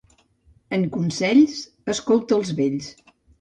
En consells, escolta els vells.